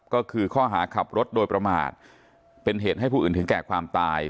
ก็คือข้อหาขับรถโดยประมาทเป็นเหตุให้ผู้อื่นถึงแก่ความตาย